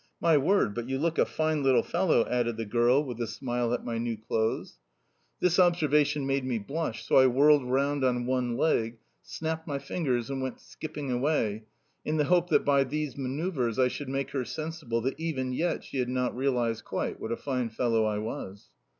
My word, but you look a fine little fellow!" added the girl with a smile at my new clothes. This observation made me blush, so I whirled round on one leg, snapped my fingers, and went skipping away, in the hope that by these manoeuvres I should make her sensible that even yet she had not realised quite what a fine fellow I was.